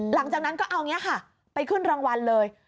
หลังจากนั้นก็เอาอย่างนี้ค่ะไปขึ้นรางวัลเลย